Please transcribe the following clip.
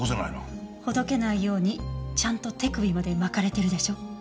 ほどけないようにちゃんと手首まで巻かれているでしょ？